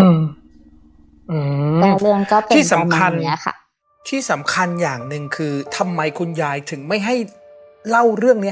อืมแต่เรื่องก็เป็นที่สำคัญอย่างนึงคือทำไมคุณยายถึงไม่ให้เล่าเรื่องเนี้ย